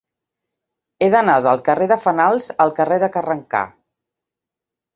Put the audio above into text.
He d'anar del carrer de Fenals al carrer de Carrencà.